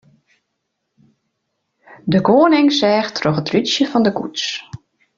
De koaning seach troch it rútsje fan de koets.